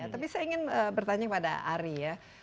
tapi saya ingin bertanya pada ari ya